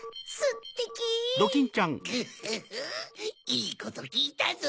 いいこときいたぞ！